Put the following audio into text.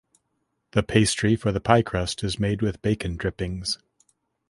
The pastry for the pie crust is made with bacon drippings.